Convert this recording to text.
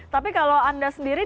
tapi kalau anda sendiri